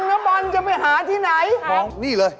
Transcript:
แล้วหยิบมาทำไมนี่